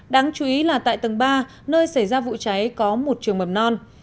đáng chú ý là tại tầng ba nơi xảy ra vụ cháy có một trường mầm non